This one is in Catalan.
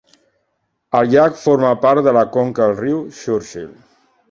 El llac forma part de la conca del riu Churchill.